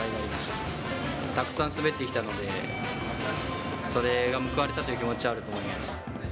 たくさんスベってきたので、それが報われたという気持ちはあると思います。